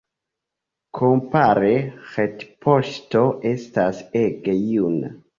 Kompare, retpoŝto estas ege juna.